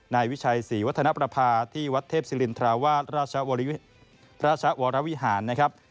นายวิชัยศรีวัฒนประพาที่วัดเทพศิรินทราวาสราชวรวิหารนะครับ